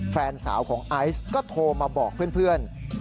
แฟนสาวของไอซ์ก็โทรมาบอกเพื่อน